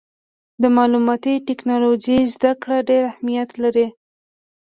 د معلوماتي ټکنالوجۍ زدهکړه ډېر اهمیت لري.